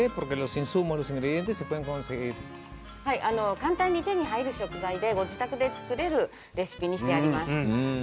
簡単に手に入る食材でご自宅で作れるレシピにしてあります。